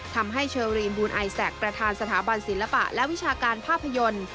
ทำให้เชอรีนบูลไอแซคประธานสถาบันศิลปะและวิชาการภาพยนตร์